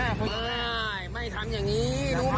ไม่ไม่ทำอย่างนี้รู้ไหม